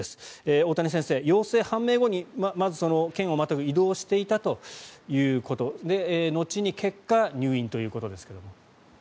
大谷先生、陽性判明後に県をまたぐ移動をしていたということ後に結果、入院ということですが。